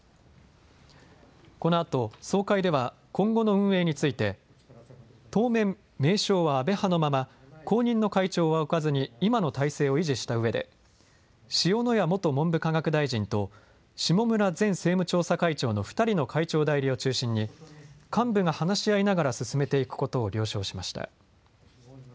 このあと総会では今後の運営について当面、名称は安倍派のまま後任の会長は置かずに今の体制を維持したうえで、塩谷元文部科学大臣と下村前政務調査会長の２人の会長代理を中心に幹部が話し合いながら進めていくことを了承しました。